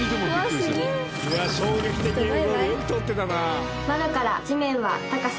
衝撃的映像よく撮ってたな。